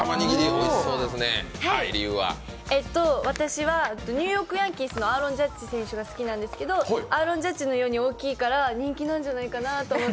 私はニューヨーク・ヤンキースのアーロン・ジャッジ選手が好きなんですが、アーロン・ジャッジのように大きいから、おいしいんじゃないかと。